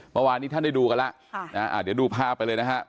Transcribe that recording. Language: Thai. เมื่อวานนี้ท่านได้ดูกันแล้วเดี๋ยวดูภาพไปเลยนะฮะ